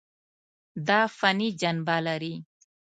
دا فني جنبه لري.